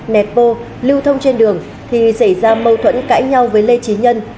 nẹt bô lưu thông trên đường thì xảy ra mâu thuẫn cãi nhau với lê trí nhân